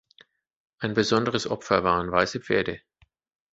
Ein besonderes Opfer waren weiße Pferde.